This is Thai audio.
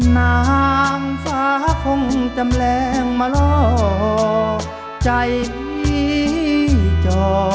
น้ำฝ้าโครงจำแหลงมะล่อใจพีจ่อ